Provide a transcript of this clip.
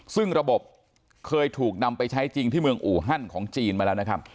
ซึ่งระบบเคยถูกนำไปใช้จริงที่เมืองอูฮันของจีนมาแล้วนะครับ